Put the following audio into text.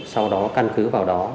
sau đó căn cứ vào đó